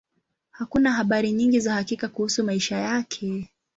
Hakuna habari nyingi za hakika kuhusu maisha yake.